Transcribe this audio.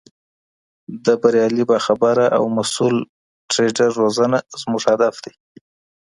د بریالي، باخبره او مسؤل ټریډر روزنه، زموږ هدف ده!